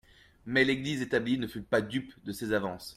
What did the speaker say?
Mais l'Église établie ne fut pas dupe de ces avances.